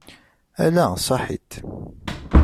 Ala, saḥit.